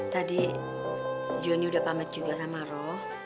tadi jonny udah pamit juga sama rok